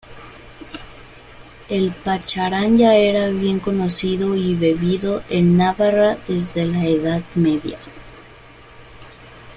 El pacharán ya era bien conocido y bebido en Navarra desde la Edad Media.